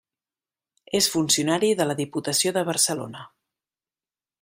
És funcionari de la Diputació de Barcelona.